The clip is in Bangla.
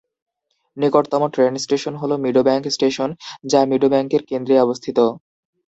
নিকটতম ট্রেন স্টেশন হল মিডোব্যাংক স্টেশন, যা মিডোব্যাংকের কেন্দ্রে অবস্থিত।